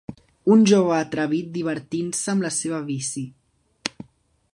Un jove atrevit divertint-se amb la seva bici.